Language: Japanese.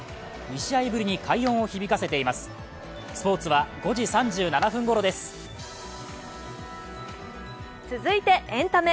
２試合ぶりに快音を響かせています続いてエンタメ。